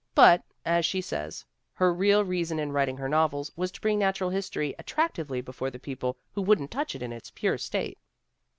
But, as she says, her real reason in writing her novels was to bring natural history at tractively before the people who wouldn't touch it in its pure state.